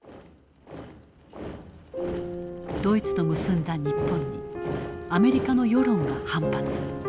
ドイツと結んだ日本にアメリカの世論は反発。